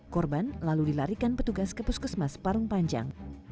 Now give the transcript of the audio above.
korban lalu dilarikan petugas ke puskesmas parung panjang